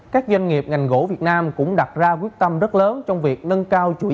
các doanh nghiệp ngành gỗ việt nam cũng đặt ra quyết tâm rất lớn trong việc nâng cao chuỗi